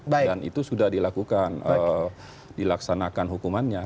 dan itu sudah dilakukan dilaksanakan hukumannya